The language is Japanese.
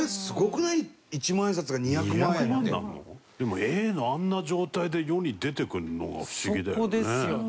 でもＡのあんな状態で世に出てくるのが不思議だよね。